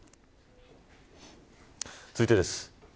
続いてです。